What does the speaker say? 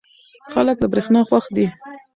خلک له برېښنا خوښ دي.